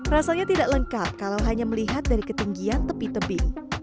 rasanya tidak lengkap kalau hanya melihat dari ketinggian tepi tebing